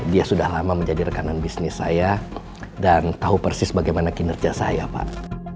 dia sudah lama menjadi rekanan bisnis saya dan tahu persis bagaimana kinerja saya pak